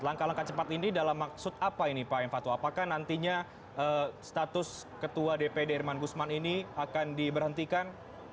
langkah langkah cepat ini dalam maksud apa ini pak em fatwa apakah nantinya status ketua dpd irman gusman ini akan diberhentikan